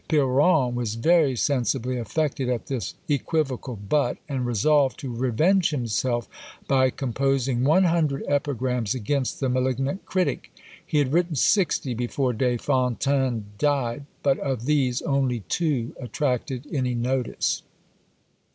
Piron was very sensibly affected at this equivocal but, and resolved to revenge himself by composing one hundred epigrams against the malignant critic. He had written sixty before Des Fontaines died: but of these only two attracted any notice.